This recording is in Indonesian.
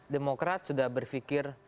demokrat sudah berfikir